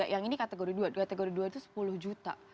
yang ini kategori dua kategori dua itu sepuluh juta